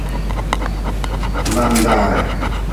Bandare.